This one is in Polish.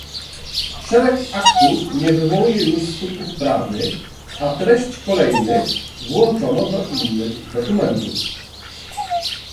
Szereg aktów nie wywołuje już skutków prawnych, a treść kolejnych włączono do innych dokumentów